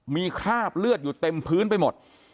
มีคราบเลือดอยู่เต็มพื้นไปหมด